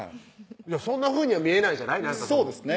そんなふうには見えないじゃないそうですね